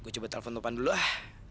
gue coba telfon ke pan dulu ah